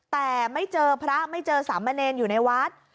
แต่ไม่เจอพระไม่เจอสามเณรอยู่ในวัด